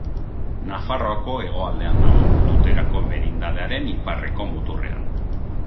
Nafarroako hegoaldean dago, Tuterako merindadearen iparreko muturrean.